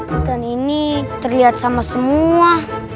hutan ini terlihat sama semua